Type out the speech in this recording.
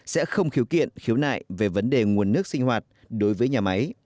sẽ không khiếu kiện khiếu nại về vấn đề nguồn nước sinh hoạt đối với nhà máy